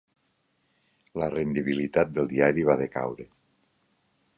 La rendibilitat del diari va decaure.